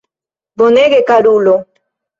Bonege, karulo!